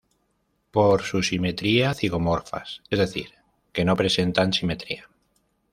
Por su simetría zigomorfas, es decir que no presentan simetría.